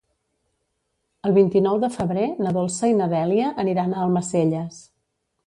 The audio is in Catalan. El vint-i-nou de febrer na Dolça i na Dèlia aniran a Almacelles.